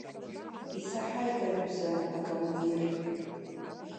Исаҳаит, аҩыза акомандир!